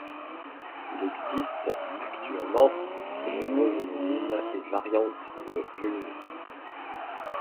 Il existe, actuellement, de nombreux homonymes et variantes de Rumigny.